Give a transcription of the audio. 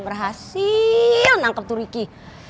berhasil nangkep tuh riki